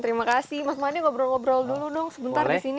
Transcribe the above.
terima kasih mas made coba berbicara dulu sebentar di sini